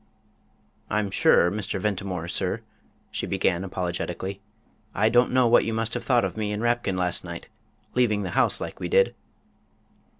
"I'm sure, Mr. Ventimore, sir," she began, apologetically, "I don't know what you must have thought of me and Rapkin last night, leaving the house like we did!"